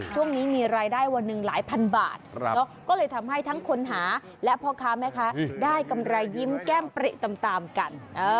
ช่วงนี้มีรายได้วันหนึ่งหลายพันบาทก็เลยทำให้ทั้งคนหาและพ่อค้าแม่ค้าได้กำไรยิ้มแก้มปริตามกัน